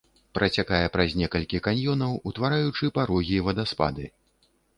Працякае праз некалькі каньёнаў, утвараючы парогі і вадаспады.